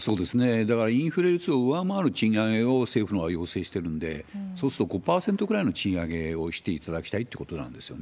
だからインフレを上回る賃上げを、政府は要請してるんで、そうすると５％ぐらいの賃上げをしていただきたいということなんですよね。